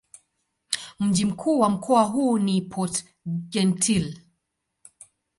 Mji mkuu wa mkoa huu ni Port-Gentil.